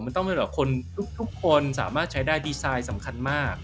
มันต้องเป็นแบบคนทุกคนสามารถใช้ได้ดีไซน์สำคัญมาก